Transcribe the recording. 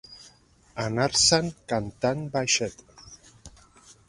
Anar-se'n cantant baixet.